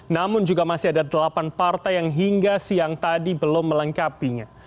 namun juga masih ada delapan partai yang hingga siang tadi belum melengkapinya